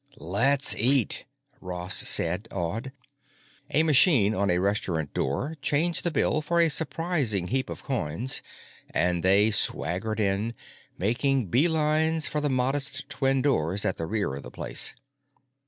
"Let's eat," Ross said, awed. A machine on a restaurant door changed the bill for a surprising heap of coins and they swaggered in, making beelines for the modest twin doors at the rear of the place.